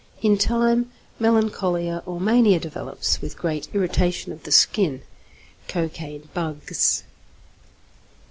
In time melancholia or mania develops, with great irritation of the skin ('cocaine bugs').